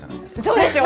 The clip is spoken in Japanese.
そうでしょ。